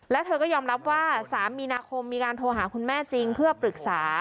แล้วเธอก็ยอมรับว่า๓มีนาคมมีการโทรหาคุณแม่จริงเพื่อปรึกษา